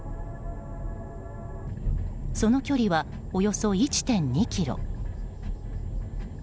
その距離はおよそ１．２ｋｍ。